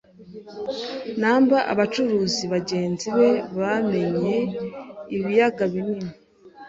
numberAbacuruzi bagenzi be bamenye ibiyaga binini